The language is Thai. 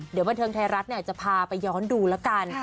เดี๋ยวบันเทิงไทยรัฐจะพาไปย้อนดูแล้วกัน